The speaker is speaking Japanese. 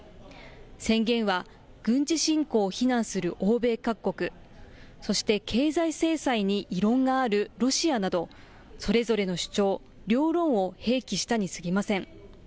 宣言は軍事侵攻を非難する欧米各国、そして経済制裁に異論があるロシアなど、それぞれの主張、両論を併記したにすぎません。